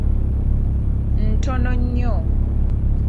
Ntono nnyo.